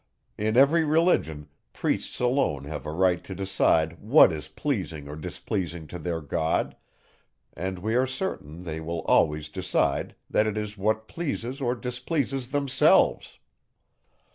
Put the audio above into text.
In every Religion, priests alone have a right to decide what is pleasing or displeasing to their God, and we are certain they will always decide, that it is what pleases or displeases themselves.